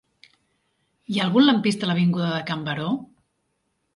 Hi ha algun lampista a l'avinguda de Can Baró?